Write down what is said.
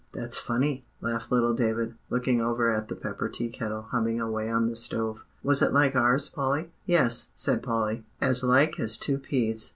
"That's funny," laughed little David, looking over at the Pepper tea kettle humming away on the stove. "Was it like ours, Polly?" "Yes," said Polly, "as like as two peas.